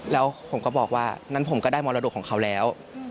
แล้วผมก็บอกว่างั้นผมก็ได้มรดกของเขาแล้ว